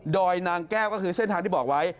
อยนางแก้วก็คือเส้นทางที่บอกไว้